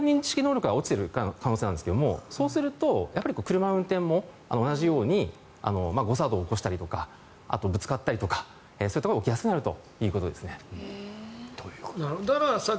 それは空間認知能力が下がっている可能性なんですがそうすると車の運転も同じように誤作動を起こしたりとかぶつかったりとかそういったことが起きやすくなると。